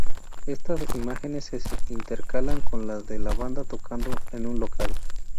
Esta imágenes se intercalan con las de la banda tocando en un local.